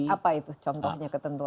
apa itu contohnya ketentuan